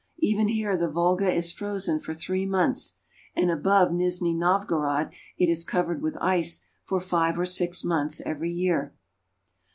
Even here the Volga is frozen for three months, and above Nizhni Novgorod it is covered with ice for five or six months every year.